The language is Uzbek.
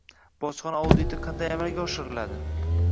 Bojxona auditi qanday amalga oshiriladi?